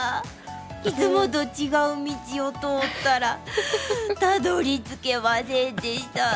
いつもと違う道を通ったらたどりつけませんでした。